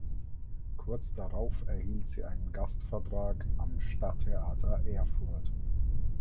Kurz darauf erhielt sie einen Gastvertrag am Stadttheater Erfurt.